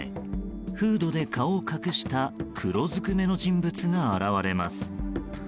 フードで顔を隠した黒ずくめの人物が現れます。